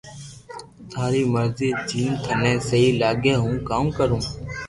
ٿاري مرزي جيم ٿني سھي لاگي ھون ڪاو ڪرو